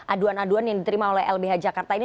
aduan aduan yang diterima oleh lbh jakarta ini